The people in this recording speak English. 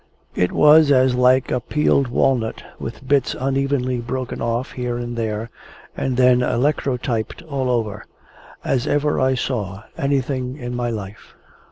It was as like a peeled walnut with bits unevenly broken off here and there, and then electrotyped all over, as ever I saw anything in my life.